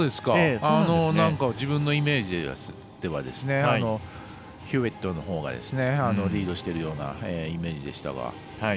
自分のイメージではヒューウェットのほうがリードしているようなイメージでした。